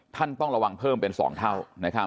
ต้องระวังเพิ่มเป็น๒เท่า